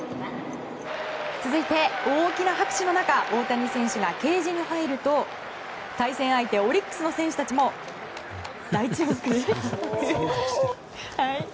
続いて、大きな拍手の中大谷選手がケージに入ると対戦相手オリックスの選手たちも大注目です。